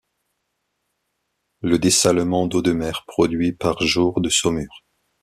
Le dessalement d'eau de mer produit par jour de saumure.